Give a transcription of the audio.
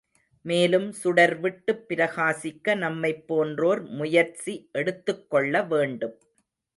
மேலும் சுடர் விட்டுப் பிரகாசிக்க நம்மைப் போன்றோர் முயற்சி எடுத்துக்கொள்ள வேண்டும்.